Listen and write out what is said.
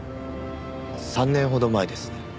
３年ほど前です。